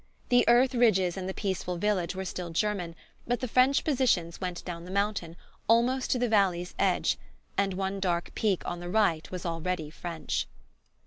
The earth ridges and the peaceful village were still German; but the French positions went down the mountain, almost to the valley's edge; and one dark peak on the right was already French.